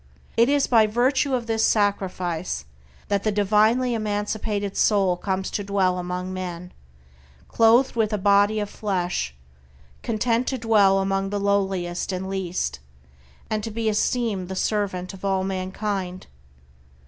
It is by virtue of this sacrifice that the divinely emancipated soul comes to dwell among men, clothed with a body of flesh, content to dwell among the lowliest and least, and to be esteemed the servant of all mankind.